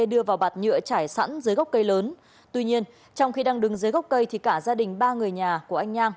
đưa vào bạt nhựa chảy sẵn dưới gốc cây lớn tuy nhiên trong khi đang đứng dưới gốc cây thì cả gia đình ba người nhà của anh nhang